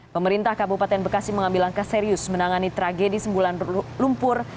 pemerintah kabupaten bekasi mengambil langkah serius menangani tragedi sembulan lumpur